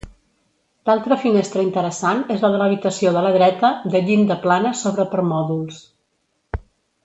L'altra finestra interessant és la de l'habitació de la dreta de llinda plana sobre permòdols.